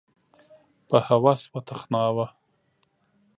په هوس وتخناوه